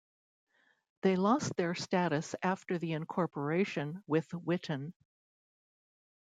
They lost their status after the incorporation with Witten.